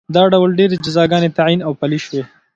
دا ډول ډېرې جزاګانې تعین او پلې شوې